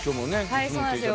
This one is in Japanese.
はいそうなんですよ。